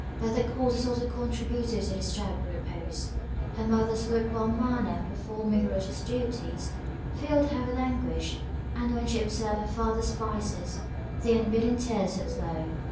Other causes also contributed to disturb her repose: her mother's luke warm manner of performing her religious duties, filled her with anguish; and when she observed her father's vices, the unbidden tears would flow.